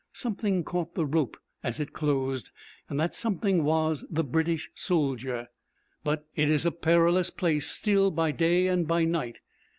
Something caught the rope as it closed, and that something was the British soldier. But it is a perilous place still by day and by night.